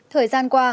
thời gian qua